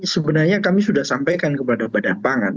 sebenarnya kami sudah sampaikan kepada badan pangan